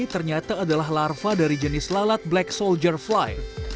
ternyata adalah larva dari jenis lalat black soldier fly